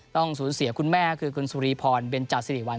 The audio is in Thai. ต้องสูญเสียคุณแม่คือคุณสุรีพรเบนจาสิริวัล